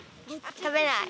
食べない。